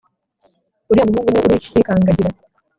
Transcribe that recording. Uriya muhungu niwe uri kuyikangagira